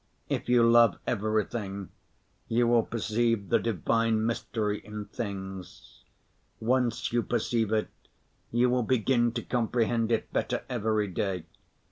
If you love everything, you will perceive the divine mystery in things. Once you perceive it, you will begin to comprehend it better every day.